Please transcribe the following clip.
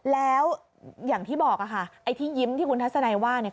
แล้วอย่างที่บอกค่ะไอ้ที่ยิ้มที่คุณทัศนัยว่าเนี่ย